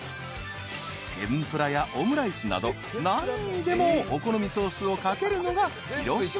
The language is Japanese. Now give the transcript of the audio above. ［天ぷらやオムライスなど何にでもお好みソースをかけるのが広島流］